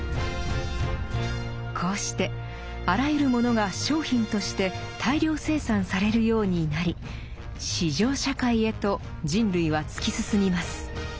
こうしてあらゆるものが「商品」として大量生産されるようになり「市場社会」へと人類は突き進みます。